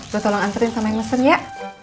lu tolong anterin sama yang mesen ya